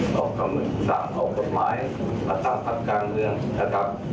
สามารถเอากฎหมายมาตามภักดิ์การเมืองนะครับ